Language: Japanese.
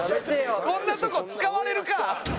こんなとこ使われるか！